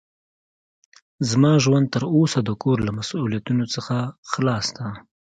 زما ژوند تر اوسه د کور له مسوؤليتونو څخه خلاص ده.